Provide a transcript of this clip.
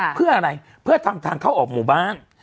เพื่ออะไรเพื่อทำทางเข้าออกหมู่บ้าน